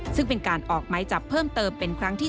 ซึ่งเป็นการออกไม้จับเพิ่มเติมเป็นครั้งที่๓